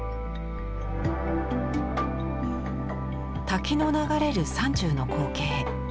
滝の流れる山中の光景。